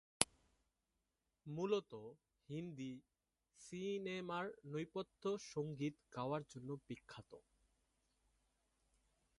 মূলত তিনি হিন্দি সিনেমার নেপথ্য সঙ্গীত গাওয়ার জন্য বিখ্যাত।